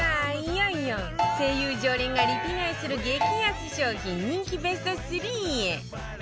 いよいよ ＳＥＩＹＵ 常連がリピ買いする激安商品人気ベスト３へ